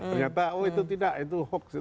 ternyata oh itu tidak itu hoax